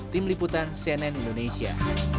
tim liputan cnn indonesia